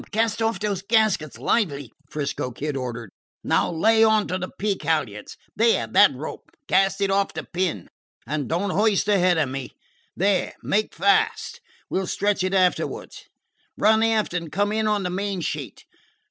Cast off those gaskets lively!" 'Frisco Kid ordered. "Now lay on to the peak halyards there, that rope cast it off the pin. And don't hoist ahead of me. There! Make fast! We 'll stretch it afterwards. Run aft and come in on the main sheet!